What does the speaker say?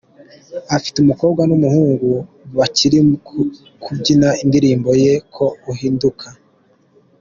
afite umukobwa n’umuhungu bari kubyina indirimbo ye "Ko Uhinduka".